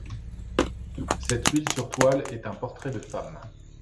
Cette huile sur toile est un portrait de femme.